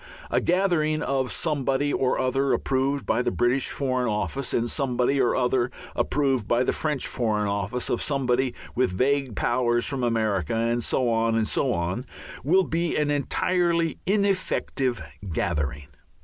A gathering of somebody or other approved by the British Foreign Office and of somebody or other approved by the French Foreign Office, of somebody with vague powers from America, and so on and so on, will be an entirely ineffective gathering.